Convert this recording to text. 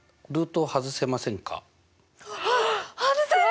外せる！